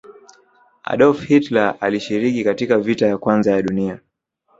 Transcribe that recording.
hdolf Hilter alishiriki katika vita ya kwanza ya dunia